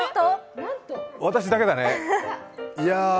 私だけだね。